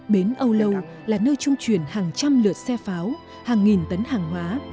bến âu lâu là nơi trung chuyển hàng trăm lượt xe pháo hàng nghìn tấn hàng hóa